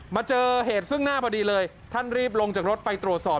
มาเจอเหตุซึ่งหน้าพอดีเลยท่านรีบลงจากรถไปตรวจสอบ